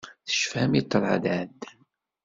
Tecfam i ṭṭrad iɛeddan.